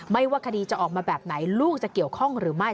ว่าคดีจะออกมาแบบไหนลูกจะเกี่ยวข้องหรือไม่